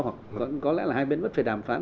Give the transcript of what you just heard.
hoặc có lẽ là hai bên vẫn phải đàm phán